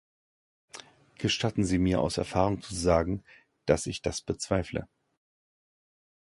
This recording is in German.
Gestatten Sie mir aus Erfahrung zu sagen, dass ich das bezweifle.